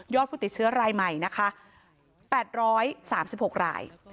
ผู้ติดเชื้อรายใหม่นะคะ๘๓๖ราย